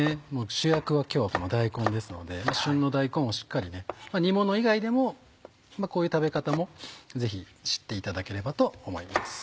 主役は今日はこの大根ですので旬の大根をしっかり煮もの以外でもこういう食べ方もぜひ知っていただければと思います。